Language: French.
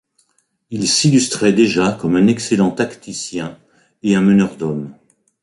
Il s'illustrait déjà comme un excellent tacticien et un meneur d'hommes.